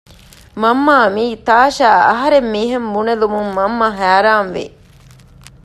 މަންމާ މީ ތާޝާ އަހަރެން މިހެން ބުނެލުމުން މަންމަ ހައިރާންވި